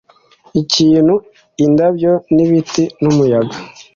ikintu; indabyo n'ibiti n'umuyaga.